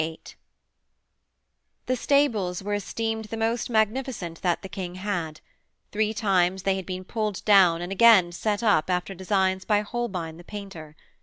VIII The stables were esteemed the most magnificent that the King had: three times they had been pulled down and again set up after designs by Holbein the painter.